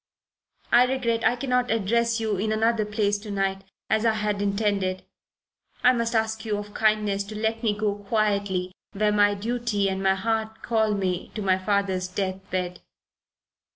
I regret I cannot address you in another place to night, as I had intended. I must ask you of your kindness to let me go quietly where my duty and my heart call me to my father's death bed."